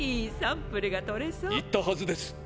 言ったはずです！